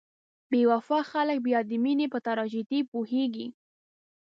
بې وفا خلک بیا د مینې په تراژیدۍ پوهیږي.